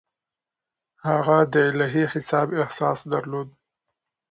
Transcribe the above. هغه د الهي حساب احساس درلود.